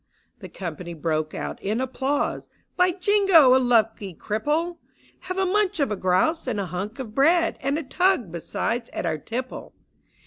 The company broke out in applause; "By Jingo, a lucky cripple ! Have a munch of grouse and a hunk of bread, And a tug, besides, at our tipple